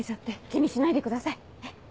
気にしないでくださいねっ。